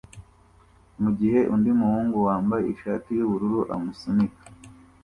mugihe undi muhungu wambaye ishati yubururu amusunika